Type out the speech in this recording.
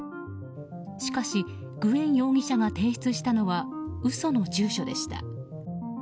しかし、グエン容疑者が提出したのは嘘の住所でした。